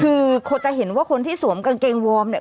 คือจะเห็นว่าคนที่สวมกางเกงวอร์มเนี่ย